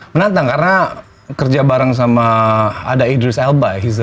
menantang karena kerja bareng sama ada idrus elba